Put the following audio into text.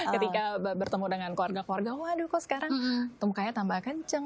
ketika bertemu dengan keluarga keluarga waduh kok sekarang temukanya tambah kenceng